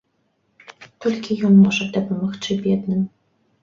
Толькі ён можа дапамагчы бедным.